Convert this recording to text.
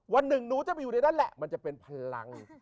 วันหนึ่งหนูจะไปอยู่ในนั้นแหละมันจะเป็นพลัง